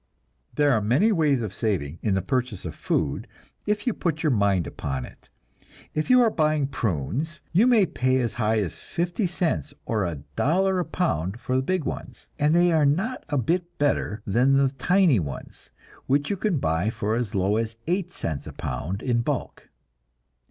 There are many ways of saving in the purchase of food if you put your mind upon it. If you are buying prunes, you may pay as high as fifty cents or a dollar a pound for the big ones, and they are not a bit better than the tiny ones, which you can buy for as low as eight cents a pound in bulk.